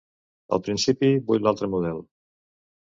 Al principi vull l'altre model.